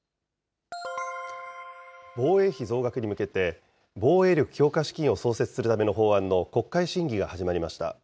防衛費増額に向けて、防衛力強化資金を創設するための法案の国会審議が始まりました。